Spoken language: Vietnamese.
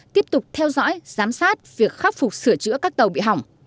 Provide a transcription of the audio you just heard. tiếp tục theo dõi giám sát việc khắc phục sửa chữa các tàu bị hỏng